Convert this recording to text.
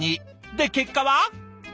で結果は？